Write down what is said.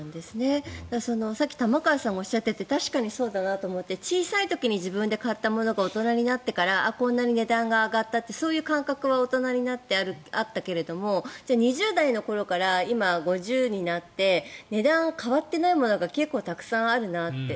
さっき玉川さんがおっしゃってて確かにそうだなと思って小さい時に自分で買ったものが大人になってからこんなに値段が上がったってそういう感覚は大人になってあったけれどもじゃあ、２０代の頃から今、５０になって値段が変わってないものが結構たくさんあるなって。